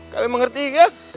kalian mengerti enggak